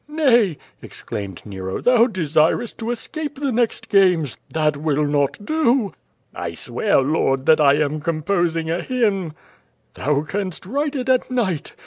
"Nay!" exclaimed Nero, "thou desirest to escape the next games; that will not do." "I swear, Lord, tliat I am eoni])osing a hymn." 424 Q^'^ VADI8. "Thou canst write it at night.